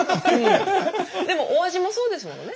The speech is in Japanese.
でもお味もそうですものね。